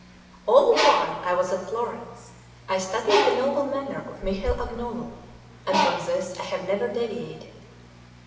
All the while I was at Florence, I studied the noble manner of Michel Agnolo, and from this I have never deviated.